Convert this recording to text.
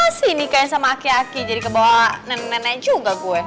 masih nih kayaknya sama aki aki jadi kebawa nenek nenek juga gue